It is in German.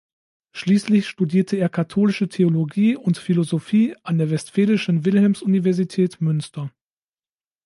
Schließlich studierte er Katholische Theologie und Philosophie an der Westfälischen Wilhelms-Universität Münster.